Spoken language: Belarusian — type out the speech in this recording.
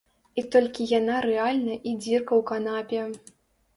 І толькі яна рэальна і дзірка ў канапе.